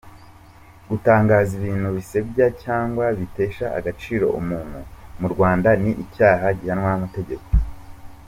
Gutangaza ibintu bisebya cyangwa bitesha agaciro umuntu mu Rwanda ni icyaha gihanwa n’ amategeko.